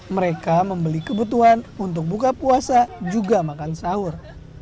mereka membeli kebutuhan untuk buka puasa juga makan sahur